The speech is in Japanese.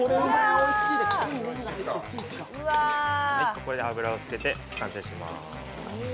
これで油をかけて、完成します。